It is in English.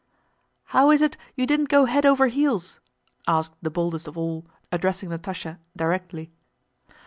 "How is it you didn't go head over heels?" asked the boldest of all, addressing Natásha directly.